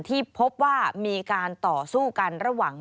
ที่พบว่ามีการต่อสู้กันระหว่าง